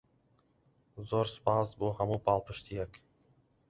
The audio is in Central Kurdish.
زۆر سوپاس بۆ هەموو پاڵپشتییەک.